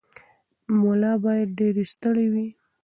ملا باید ډېر ستړی وي.